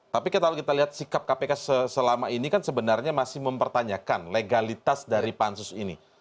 tapi kalau kita lihat sikap kpk selama ini kan sebenarnya masih mempertanyakan legalitas dari pansus ini